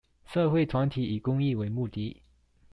社會團體以公益為目的